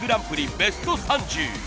ベスト３０。